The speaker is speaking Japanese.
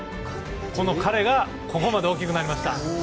その彼がここまで大きくなりました。